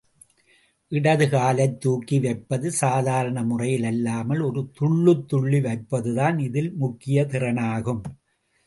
இடது காலைத்துக்கி வைப்பது சாதாரண முறையில் அல்லாமல், ஒரு துள்ளுத் துள்ளி வைப்பதுதான் இதில் முக்கிய திறனாகும்.